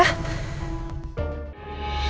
makasih ya pak ya